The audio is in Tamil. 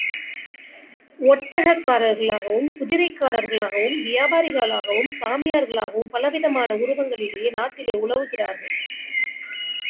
ஒட்டகக்காரர்களாகவும், குதிரைக்காரர்களாகவும், வியர்பாரிகளாகவும், சாமியார்களாகவும் பலவிதமான உருவங்களிலே நாட்டிலே உலவுகிறார்கள்.